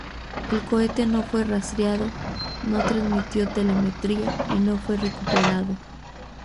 El cohete no fue rastreado, no transmitió telemetría y no fue recuperado.